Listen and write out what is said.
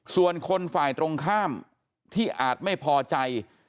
ส่วนคนฝ่ายตรงข้ามที่อาจไม่พอใจ